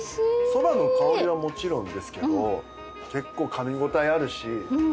そばの香りはもちろんですけど結構かみ応えあるし。